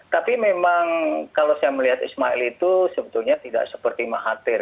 tapi memang kalau saya melihat ismail itu sebetulnya tidak seperti mahathir